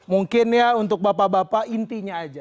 mungkin ya untuk bapak bapak intinya aja